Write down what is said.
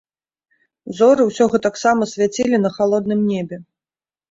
Зоры ўсё гэтаксама свяцілі на халодным небе.